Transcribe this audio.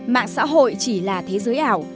mạng xã hội chỉ là thế giới ảo